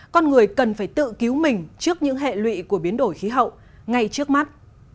con người cần phải tự cứu mình trước những hệ lụy của biến đổi khí hậu ngay trước mắt